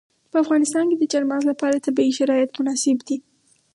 په افغانستان کې د چار مغز لپاره طبیعي شرایط مناسب دي.